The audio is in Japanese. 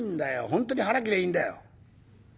本当に腹切りゃいいんだよ」。